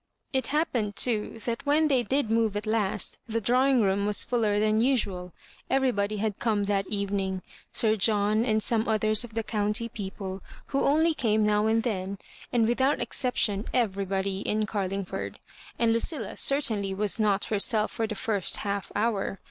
It bap Digitized by VjOOQIC mSS ILLBJOBIBAKEa 113 pened, too, tliat when they did move at last, the drawing room was fuller than usual Everybody had come that evening — Sir John, and some others of the county people, who only came now and thenj and without any exception everybody in Carlingford. And Lucilla certainly was not Herself for the first half hour.